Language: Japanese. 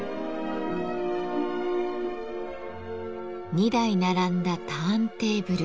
２台並んだ「ターンテーブル」。